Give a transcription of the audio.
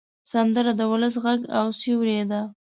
سندره د ولس غږ او سیوری ده